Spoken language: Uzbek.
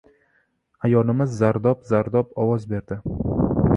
Ayolimiz zardob-zardob ovoz berdi: